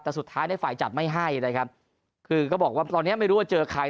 แต่สุดท้ายในฝ่ายจัดไม่ให้นะครับคือก็บอกว่าตอนนี้ไม่รู้ว่าเจอใคร